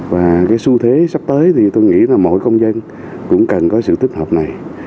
và cái xu thế sắp tới thì tôi nghĩ là mỗi công dân cũng cần có sự tích hợp này